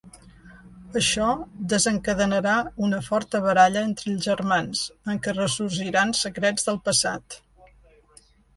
Això desencadenarà una forta baralla entre els germans en què ressorgiran secrets del passat.